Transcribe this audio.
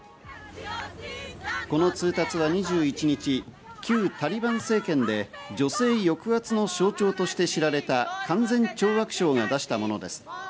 この通達は２１日、旧タリバン政権で女性抑圧の象徴として知られた勧善懲悪省が出したものです。